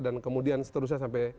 dan kemudian seterusnya sampai